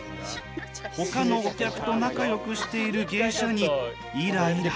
ほかのお客と仲よくしている芸者にイライラ。